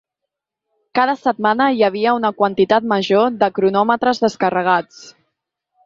Cada setmana hi havia una quantitat major de cronòmetres descarregats.